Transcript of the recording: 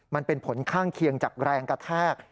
มันเป็นผลข้างเคียงจากแรงกระแทก